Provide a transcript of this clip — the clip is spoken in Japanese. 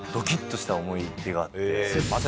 思い出があって。